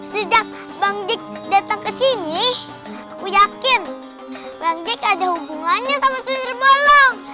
sejak bang jack datang kesini aku yakin bang jack ada hubungannya sama sundel bolong